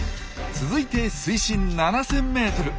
続いて水深７０００ｍ。